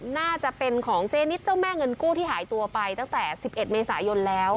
น่าจะเป็นของเจนิดเจ้าแม่เงินกู้ที่หายตัวไปตั้งแต่๑๑เมษายนแล้ว